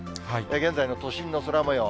現在の都心の空もよう。